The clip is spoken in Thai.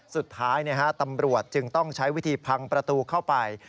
สุดท้ายตำรวจจึงต้องใช้วิธีพังประตูเข้าไป